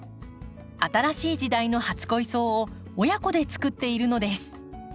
新しい時代の初恋草を親子でつくっているのです。